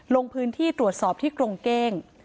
ลงพื้นที่ตรวจสอบที่กรงเก้ง